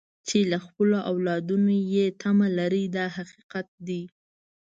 چې له خپلو اولادونو یې تمه لرئ دا حقیقت دی.